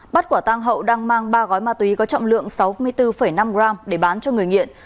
bắt quả tang hậu đang mang ba gói ma túy có trọng lượng sáu mươi bốn năm g để bán cho người nghiện